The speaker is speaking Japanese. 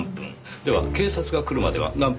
では警察が来るまでは何分でしたか？